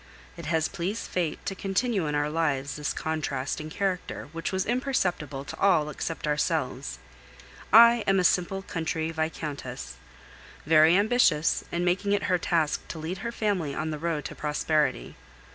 It has pleased fate to continue in our lives this contrast in character which was imperceptible to all except ourselves. I am a simple country vicountess, very ambitious, and making it her task to lead her family on the road to prosperity.